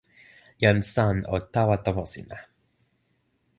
jan San o tawa tomo sina.